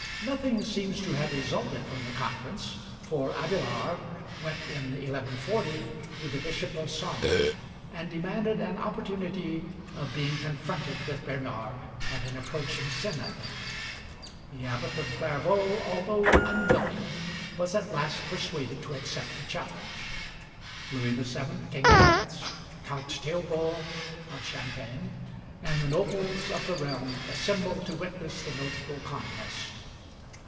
Nothing seems to have resulted from the conference, for Abélard went in 1140 to the Bishop of Sens and demanded an opportunity of being confronted with Bernard at an approaching synod. The abbot of Clairvaux, although unwilling, was at last persuaded to accept the challenge. Louis VII., King of France, Count Theobald of Champagne, and the nobles of the realm assembled to witness the notable contest.